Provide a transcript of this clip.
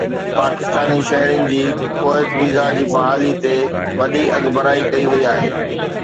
پاڪستاني شهرين جي Kuwait visa جي بحالي تي وڏي اڳڀرائي ڪئي وئي آهي